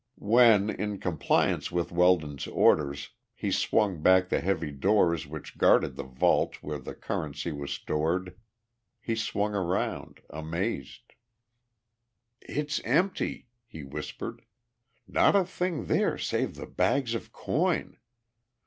When, in compliance with Weldon's orders, he swung back the heavy doors which guarded the vault where the currency was stored, he swung around, amazed. "It's empty!" he whispered. "Not a thing there save the bags of coin.